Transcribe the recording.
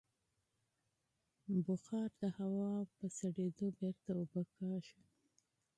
بخار د هوا په سړېدو بېرته اوبه کېږي.